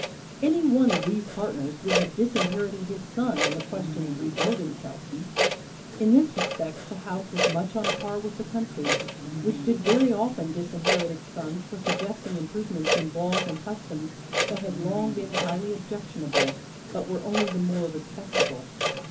Any one of these partners would have disinherited his son on the question of rebuilding Tellson's. In this respect the House was much on a par with the Country; which did very often disinherit its sons for suggesting improvements in laws and customs that had long been highly objectionable, but were only the more respectable.